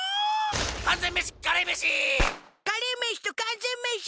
完全メシカレーメシカレーメシと完全メシ